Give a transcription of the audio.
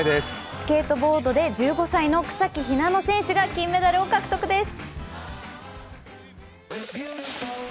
スケートボードで１５歳の草木ひなの選手が金メダルを獲得です。